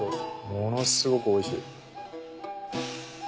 ものすごくおいしい。